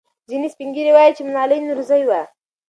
ځینې سپین ږیري وایي چې ملالۍ نورزۍ وه.